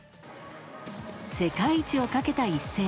世界一をかけた一戦。